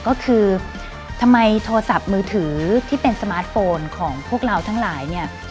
ก็คือทำไมโทรศัพท์มือถือที่เป็นสมาร์ทโฟนของพวกเราทั้งหลายเนี่ย